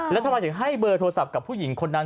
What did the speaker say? แล้วทำไมถึงให้เบอร์โทรศัพท์กับผู้หญิงคนนั้น